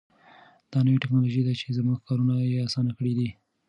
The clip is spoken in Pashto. دا نوې تکنالوژي ده چې زموږ کارونه یې اسانه کړي دي.